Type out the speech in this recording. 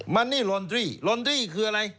มันนี่ลอนตรีลอนตรีคืออะไร